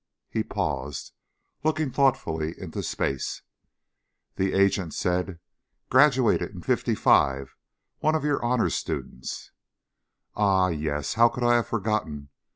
He paused, looking thoughtfully into space. The agent said, "Graduated in '55. One of your honor students." "Ah, yes, how could I have forgotten?"